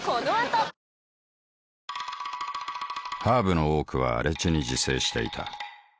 ハーブの多くは荒地に自生していた。